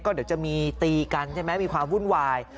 เดี๋ยวจะมีตีกันใช่ไหมมีความวุ่นวาย